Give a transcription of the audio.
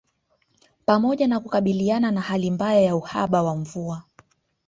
Pamoja na kukabiliana na hali mbaya ya uhaba wa mvua